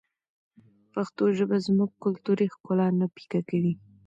پښتو ژبه زموږ کلتوري ښکلا نه پیکه کوي.